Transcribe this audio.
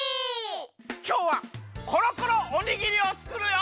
きょうはコロコロおにぎりをつくるよ！